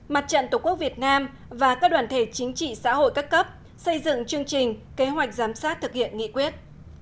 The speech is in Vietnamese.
mặt trận tổ quốc việt nam và các đoàn thể chính trị xã hội các cấp xây dựng chương trình kế hoạch giám sát thực hiện nghị quyết